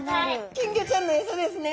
金魚ちゃんのエサですね。